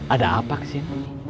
ada apa kesini